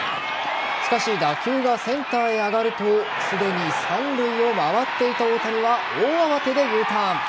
しかし打球がセンターへ上がるとすでに三塁を回っていた大谷は大慌てでＵターン。